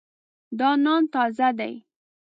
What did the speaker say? دا نان تازه دی.